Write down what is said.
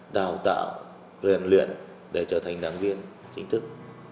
đào tạo rèn luyện để trở thành đảng viên chính thức